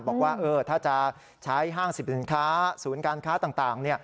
บอกว่าถ้าจะใช้ห้างสิบสินค้าศูนย์การค้าต่าง